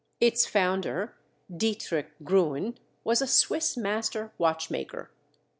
Its founder, Dietrich Gruen, was a Swiss master watchmaker.